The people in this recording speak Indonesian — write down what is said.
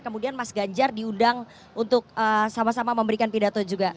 kemudian mas ganjar diundang untuk sama sama memberikan pidato juga